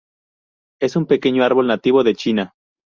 Es un pequeño árbol nativo de China.